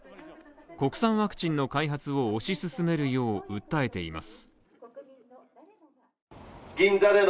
国産ワクチンの開発を推し進めるよう訴えています。